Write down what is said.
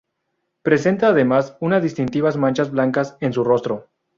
Presenta, además, unas distintivas manchas blancas en su rostro.